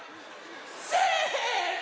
せの！